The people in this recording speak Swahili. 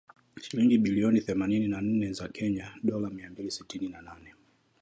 Shilingi bilioni thelathini na nne za Kenya dola mia mbili tisini na nane.